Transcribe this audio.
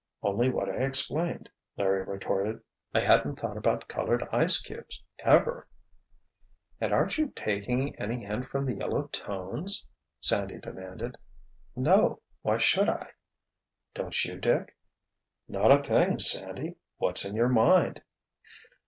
"Only what I explained," Larry retorted. "I hadn't thought about colored ice cubes, ever——" "And aren't you taking any hint from the yellow tones?" Sandy demanded. "No! Why should I?" "Don't you, Dick?" "Not a thing, Sandy. What's in your mind?"